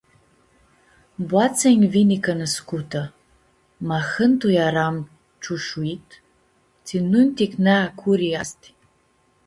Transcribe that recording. Boatsea nj-vini cãnãscutã, ma ahãntu earam ciushuit tsi nu nj-ticnea a curi easti.